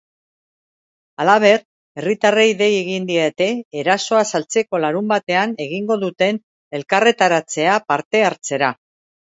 Halaber, herritarrei dei egin diete erasoa saltzeko larunbatean egingo duten elkarretaratzea parte-hartzera.